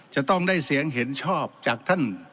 จะต้องได้เสียงเห็นชอบจากท่าน